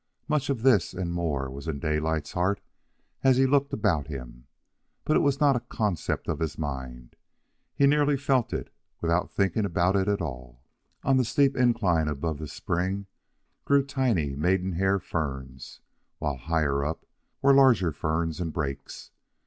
Much of this and more was in Daylight's heart as he looked about him. But it was not a concept of his mind. He merely felt it without thinking about it at all. On the steep incline above the spring grew tiny maidenhair ferns, while higher up were larger ferns and brakes.